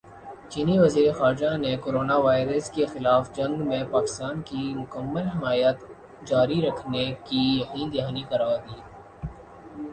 چینی وزیرخارجہ نے کورونا وائرس کےخلاف جنگ میں پاکستان کی مکمل حمایت جاری رکھنے کی یقین دہانی کرادی